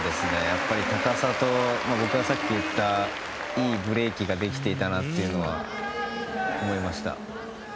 やっぱり高さと僕がさっき言ったいいブレーキができていたなというのは思いました。